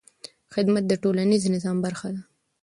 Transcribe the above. خدمت د ټولنیز نظم برخه ده.